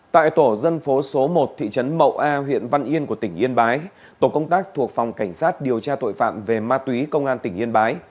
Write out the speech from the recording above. tại tổ dân phố số một thị trấn mậu a huyện văn yên của tỉnh yên bái tổ công tác thuộc phòng cảnh sát điều tra tội phạm về ma túy công an tỉnh yên bái